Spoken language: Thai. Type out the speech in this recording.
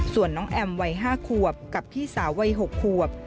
ส่วนน้องแอมวัย๕ขวบกับพี่สาววัย๖ขวบ